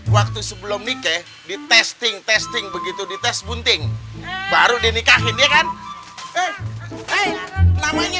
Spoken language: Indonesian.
waktu sebelum nikah di testing testing begitu dites bunting baru dinikahin ya kan eh namanya